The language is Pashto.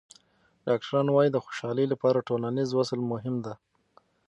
ډاکټران وايي د خوشحالۍ لپاره ټولنیز وصل مهم دی.